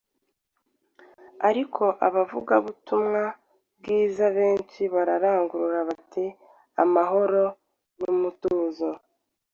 ariko abavugabutumwa bwiza benshi bararangurura bati : “Amahoro n’umutuzo.”